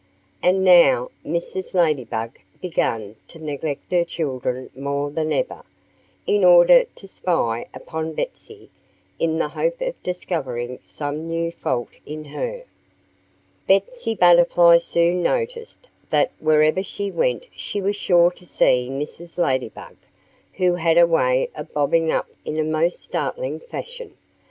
And now Mrs. Ladybug began to neglect her children more than ever, in order to spy upon Betsy in the hope of discovering some new fault in her. Betsy Butterfly soon noticed that wherever she went she was sure to see Mrs. Ladybug, who had a way of bobbing up in a most startling fashion.